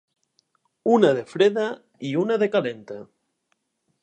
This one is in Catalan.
Una de freda i una de calenta.